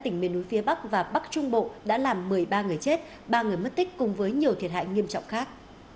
tỉnh miền núi phía bắc và bắc trung bộ đã làm một mươi ba người chết ba người mất tích cùng với nhiều thiệt hại nghiêm trọng khác